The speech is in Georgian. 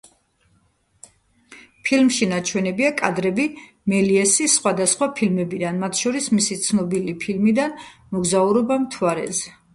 ფილმში ნაჩვენებია კადრები მელიესის სხვადასხვა ფილმებიდან, მათ შორის მისი ცნობილის ფილმიდან „მოგზაურობა მთვარეზე“.